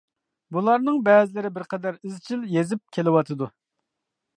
بۇلارنىڭ بەزىلىرى بىر قەدەر ئىزچىل يېزىپ كېلىۋاتىدۇ.